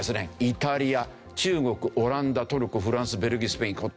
イタリア中国オランダトルコフランスベルギースペイン。